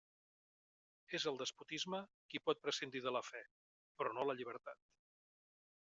És el despotisme qui pot prescindir de la fe, però no la llibertat.